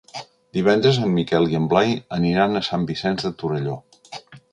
Divendres en Miquel i en Blai aniran a Sant Vicenç de Torelló.